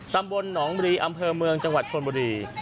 ตำบลหนองรีอำเภอเมืองจังหวัดชนบุรี